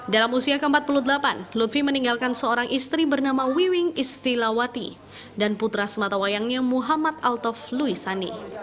dalam usia ke empat puluh delapan lutfi meninggalkan seorang istri bernama wiwing istilawati dan putra sematawayangnya muhammad altof louisani